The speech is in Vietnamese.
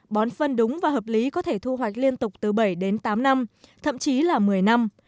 bón phân đúng và hợp lý có thể thu hoạch liên tục từ bảy đến tám năm thậm chí là một mươi năm